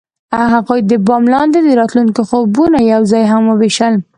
هغوی د بام لاندې د راتلونکي خوبونه یوځای هم وویشل.